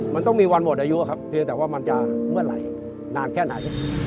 มันต้องมีวันหมดอายุครับเพียงแต่ว่ามันจะเมื่อไหร่นานแค่ไหน